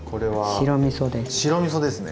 白みそですね。